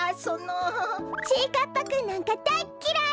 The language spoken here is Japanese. ちぃかっぱくんなんかだいっきらい！